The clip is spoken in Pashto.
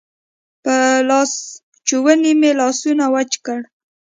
په لاسوچوني مې لاسونه وچ کړل.